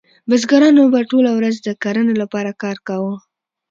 بزګرانو به ټوله ورځ د کرنې لپاره کار کاوه.